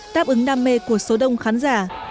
đáp ứng đam mê của số đông khán giả